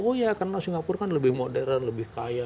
oh ya karena singapura kan lebih modern lebih kaya